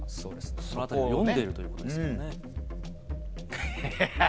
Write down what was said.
そこを読んでいるということですね。